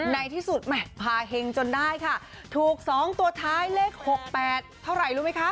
ในที่สุดแหม่พาเฮงจนได้ค่ะถูก๒ตัวท้ายเลข๖๘เท่าไหร่รู้ไหมคะ